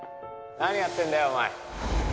何やってんだよお前